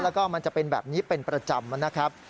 แล้วก็มันจะเป็นแบบนี้เป็นประจำนะครับ